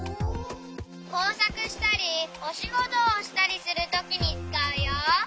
こうさくしたりおしごとをしたりするときにつかうよ。